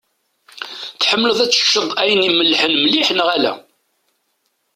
Tḥemmleḍ ad teččeḍ ayen imellḥen mliḥ neɣ ala?